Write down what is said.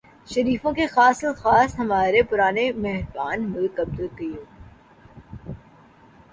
شریفوں کے خاص الخاص ہمارے پرانے مہربان ملک عبدالقیوم۔